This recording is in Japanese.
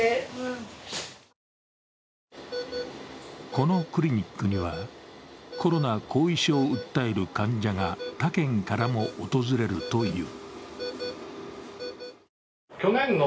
このクリニックには、コロナ後遺症を訴える患者が他県からも訪れるという。